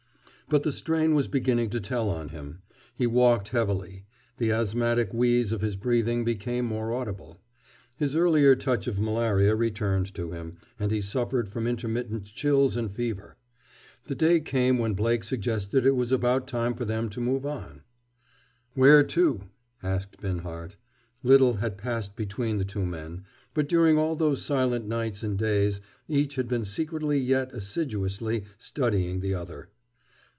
But the strain was beginning to tell on him. He walked heavily. The asthmatic wheeze of his breathing became more audible. His earlier touch of malaria returned to him, and he suffered from intermittent chills and fever. The day came when Blake suggested it was about time for them to move on. "Where to?" asked Binhart. Little had passed between the two men, but during all those silent nights and days each had been secretly yet assiduously studying the other.